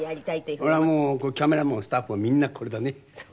これはもうカメラマンもスタッフもみんなこれだね。